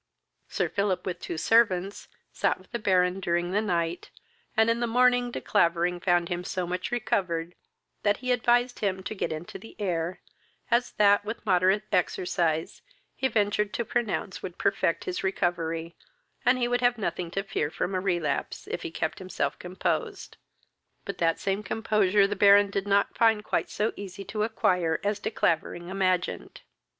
Sir Philip, with two servants, sat with the Baron during the night, and in the morning De Clavering found him so much recovered, that he advised him to get into the air, as that, with moderate exercise, he ventured to pronounce would perfect his recovery, and he would have nothing to fear from a relapse, if he kept himself composed; but that same composure the Baron did not find quite so easy to acquire as De Clavering imagined.